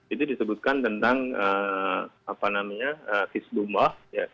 itu disebutkan tentang apa namanya kisbumah